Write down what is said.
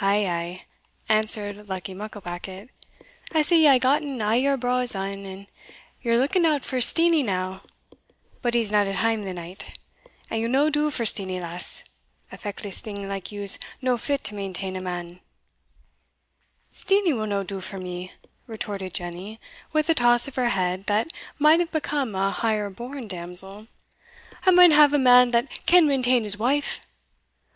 "Ay, ay," answered Luckie Mucklebackit, "I see you hae gotten a' your braws on; ye're looking about for Steenie now but he's no at hame the night; and ye'll no do for Steenie, lass a feckless thing like you's no fit to mainteen a man." "Steenie will no do for me," retorted Jenny, with a toss of her head that might have become a higher born damsel; "I maun hae a man that can mainteen his wife."